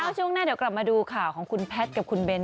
ช่วงหน้าเดี๋ยวกลับมาดูข่าวของคุณแพทย์กับคุณเบ้น